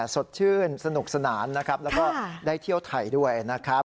สดชื่นสนุกสนานนะครับแล้วก็ได้เที่ยวไทยด้วยนะครับ